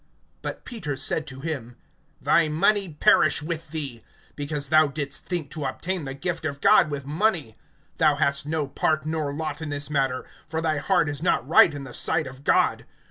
(20)But Peter said to him: Thy money perish with thee; because thou didst think to obtain the gift of God with money: (21)Thou hast no part nor lot in this matter[8:21]; for thy heart is not right in the sight of God.